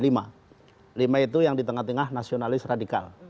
lima itu yang di tengah tengah nasionalis radikal